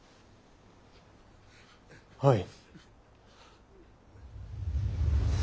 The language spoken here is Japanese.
はい。